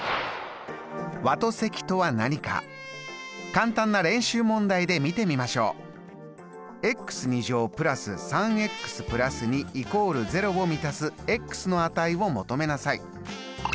簡単な練習問題で見てみましょう！＋３＋２＝０を満たすの値を求めなさい。